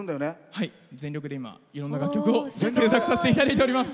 はい、全力でいろんな楽曲を作成させていただいています。